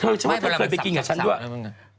เธอเฉพาะเธอเคยไปกินกับฉันด้วย